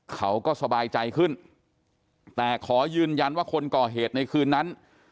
เขาก็สบายใจขึ้นแต่ขอยืนยันว่าคนก่อเหตุในคืนนั้น